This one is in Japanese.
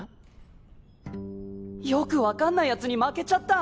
よくわかんない奴に負けちゃった。